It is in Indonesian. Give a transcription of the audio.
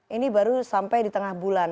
ini baru sampai di tengah bulan